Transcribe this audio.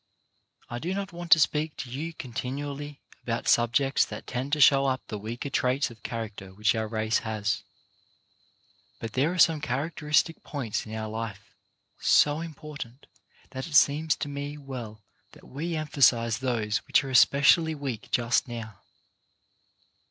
I do not want to speak to you continually upon subjects that tend to show up the weaker traits of character which our race has, but there are some characteristic points in our life so important that it seems to me well that we emphasize those which are specially weak just now.